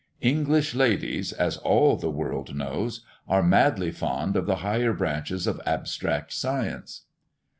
English ladies, as all the world knows, are madly fond of the higher branches of abstract science."